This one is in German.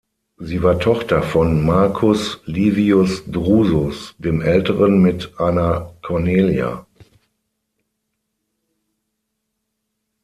Sie war Tochter von Marcus Livius Drusus dem Älteren mit einer Cornelia.